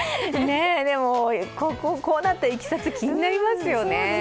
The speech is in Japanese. でも、こうなったいきさつ、気になりますよね。